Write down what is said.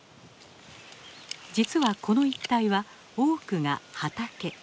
実はこの一帯は多くが「畑」。